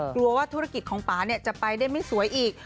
กลัวว่าธุรกิจของป่าจะไปได้ไม่สวยอีก